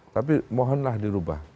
tapi mohonlah dirubah